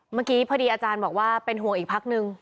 เมื่อกี้พอดีอาจารย์บอกว่าเป็นห่วงอีกพักนึง